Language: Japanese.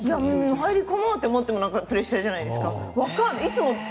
入り込むのもプレッシャーじゃないですか。